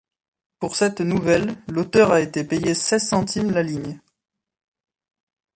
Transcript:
Pour cette nouvelle, l'auteur a été payé seize centimes la ligne.